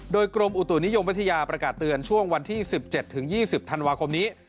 โดยกรมอุตุนิยมวิทยาประกาศเตือนช่วงวันที่๑๗๒๐ธันวาคมนี้